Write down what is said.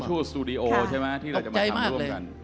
โจ้เอางั้นเลยเหรอ